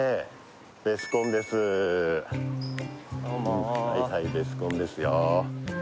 どうもはいはいベスコンですよ